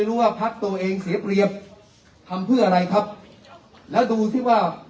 ว่าพักตัวเองเสียเปรียบทำเพื่ออะไรครับแล้วดูสิว่า